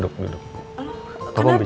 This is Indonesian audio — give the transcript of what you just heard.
nggak ah kok aku